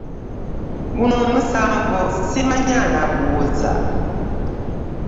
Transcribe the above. Guno omusango ssimanyi anaaguwoza.